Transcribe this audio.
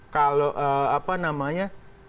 kalau apa namanya